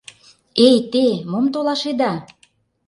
— Эй те, мом толашеда?